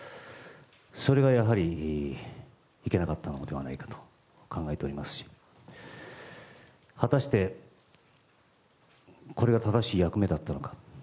それがやはりいけなかったのではないかと考えておりますし果たして、これが正しい役目だったのか。